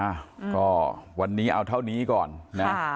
อ่ะก็วันนี้เอาเท่านี้ก่อนนะ